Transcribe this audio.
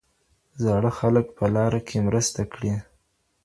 زاړه خلک په لاره کې مرسته کړئ.